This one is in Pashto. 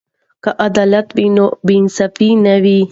که عدالت وي نو بې انصافي نه وي.